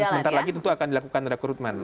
dan sebentar lagi tentu akan dilakukan rekrutmen